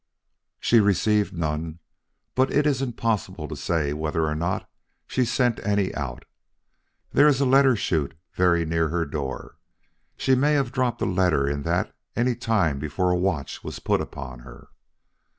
"She received none; but it is impossible to say whether or not she sent any out. There is a letter chute very near her door. She may have dropped a letter in that any time before a watch was put upon her.